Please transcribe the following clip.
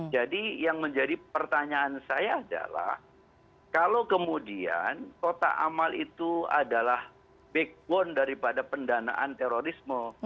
yang menjadi pertanyaan saya adalah kalau kemudian kotak amal itu adalah backbone daripada pendanaan terorisme